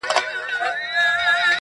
خواري د مړو په شا ده.